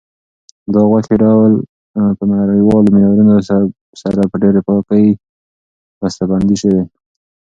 دا د غوښې ډول په نړیوالو معیارونو سره په ډېرې پاکۍ بسته بندي شوی.